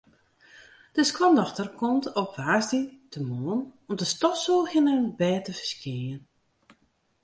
De skoandochter komt op woansdeitemoarn om te stofsûgjen en it bêd te ferskjinjen.